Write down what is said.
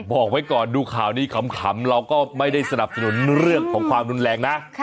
บอกไว้ก่อนดูข่าวนี้ขำเราก็ไม่ได้สนับสนุนเรื่องของความรุนแรงนะ